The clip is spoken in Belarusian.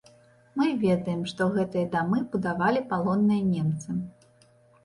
Мы ведаем, што гэтыя дамы будавалі палонныя немцы.